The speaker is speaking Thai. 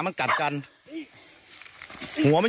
เอาออกเฮ้ย